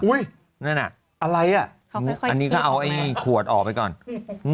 อุ๊ยอะไรน่ะเขาค่อยเข้ามาอันนี้ก็เอาไอ้ขวดออกไปก่อน